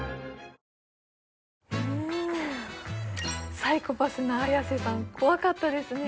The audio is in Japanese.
サイコパスな綾瀬さん怖かったですね